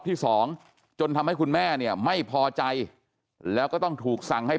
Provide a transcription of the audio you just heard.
ที่สองจนทำให้คุณแม่เนี่ยไม่พอใจแล้วก็ต้องถูกสั่งให้